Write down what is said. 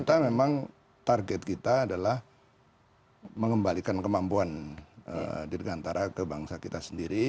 dan sekarang target kita adalah mengembalikan kemampuan diri antara kebangsa kita sendiri